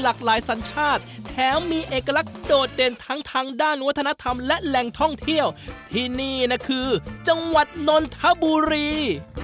สัญชาติแถมมีเอกลักษณ์โดดเด่นทั้งทางด้านวัฒนธรรมและแหล่งท่องเที่ยวที่นี่นะคือจังหวัดนนทบุรี